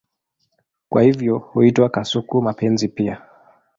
Kwa hivyo huitwa kasuku-mapenzi pia.